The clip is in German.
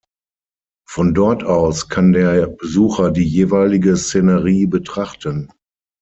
Von dort aus kann der Besucher die jeweilige Szenerie betrachten.